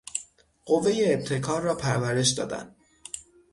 قوهٔ ابتکار را پرورش دادن.